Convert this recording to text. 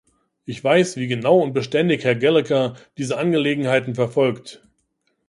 Ich weiß, wie genau und beständig Herr Gallagher diese Angelegenheiten verfolgt.